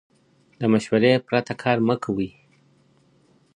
له مشورې پرته کار مه کوئ.